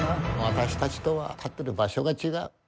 私たちとは立ってる場所が違う。